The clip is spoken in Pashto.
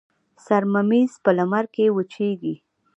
سر ممیز په لمر کې وچیږي.